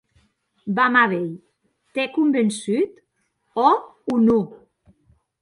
Vam a veir, t’é convençut, òc o non?